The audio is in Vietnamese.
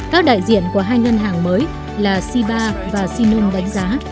các đại diện của hai ngân hàng mới là siba và sinum đánh giá